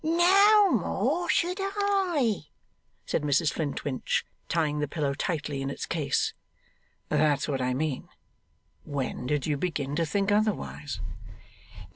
'No more should I,' said Mrs Flintwinch, tying the pillow tightly in its case. 'That's what I mean. When did you begin to think otherwise?